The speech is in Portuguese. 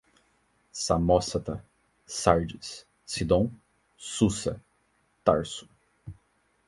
Samósata, Sárdis, Sidom, Susa, Tarso